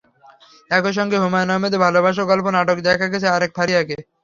একই সঙ্গে হুমায়ূন আহমেদের ভালোবাসার গল্প নাটকে দেখা গেছে আরেক ফারিয়াকে।